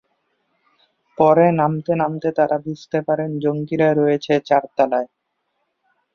পরে নামতে নামতে তারা বুঝতে পারেন জঙ্গিরা রয়েছে চার তলায়।